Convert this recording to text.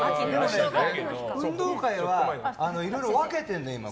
運動会はいろいろ分けてるの。